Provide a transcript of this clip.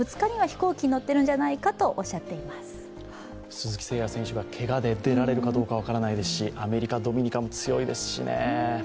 鈴木誠也選手がけがで出られるかどうか分からないし、アメリカ、ドミニカも強いですしね